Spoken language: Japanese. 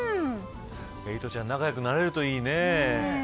エイトちゃん仲良くなれるといいね。